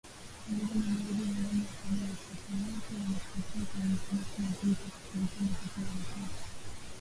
Pamoja na mauzo haramu ya silaha, washtakiwa hao pia wanashtakiwa kwa uhalifu wa vita, kushiriki katika harakati za uasi na kushirikiana na wahalifu.